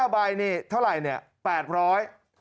๕ใบนี่เท่าไรแปดร้อย